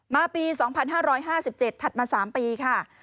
ปี๒๕๕๗ถัดมา๓ปีค่ะ